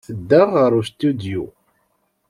Tedda ɣer ustidyu.